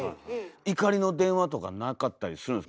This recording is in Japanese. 怒りの電話とかなかったりするんですか